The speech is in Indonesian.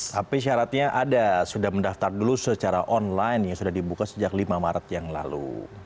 tapi syaratnya ada sudah mendaftar dulu secara online yang sudah dibuka sejak lima maret yang lalu